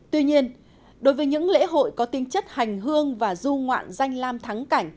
tuy nhiên đối với những lễ hội có tính chất hành hương và du ngoạn danh lam thắng